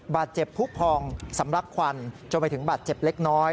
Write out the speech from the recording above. บาดเจ็บผู้พองสำลักควันจนไปถึงบาดเจ็บเล็กน้อย